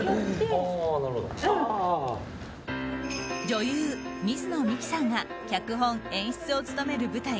女優・水野美紀さんが脚本・演出を務める舞台